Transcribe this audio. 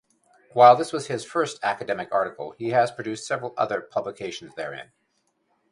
While this was his first academic article, he has produced several other publications therein.